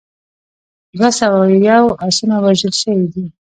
دوه سوه یو اسونه وژل شوي دي.